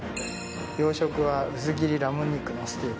洋食は薄切りラム肉のステーキ。